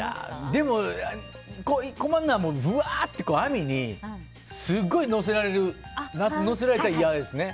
でも困るのは、ぶわーっと網にすごいのせられたら嫌ですね。